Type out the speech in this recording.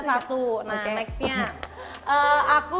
satu nah nextnya aku